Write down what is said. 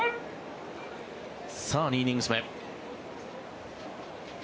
さあ、２イニングス目。